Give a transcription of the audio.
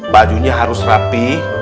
bajunya harus rapi